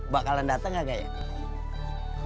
bakalan dateng gak kayaknya